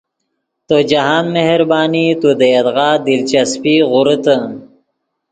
تو جاہند مہربانی تو دے یدغا دلچسپی غوریتے